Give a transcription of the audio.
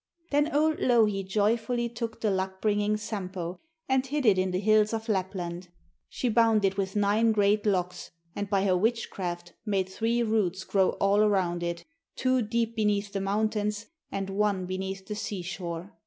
Then old Louhi joyfully took the luck bringing Sampo and hid it in the hills of Lapland. She bound it with nine great locks, and by her witchcraft made three roots grow all around it, two deep beneath the mountains and one beneath the seashore.